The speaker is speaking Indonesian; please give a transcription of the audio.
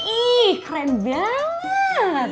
ih keren banget